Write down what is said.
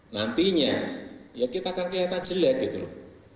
nantinya ya kita akan kelihatan jelek gitu loh